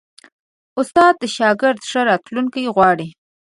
استاد د شاګرد ښه راتلونکی غواړي.